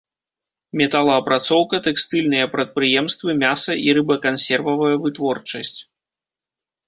Металаапрацоўка, тэкстыльныя прадпрыемствы, мяса- і рыбакансервавая вытворчасць.